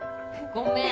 ごめん